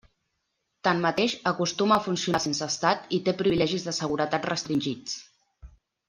Tanmateix, acostuma a funcionar sense estat i té privilegis de seguretat restringits.